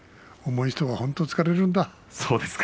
重い人は本当に疲れるんだ。